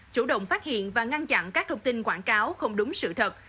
chủ động phát hiện và ngăn chặn các thông tin quảng cáo không đúng sự thật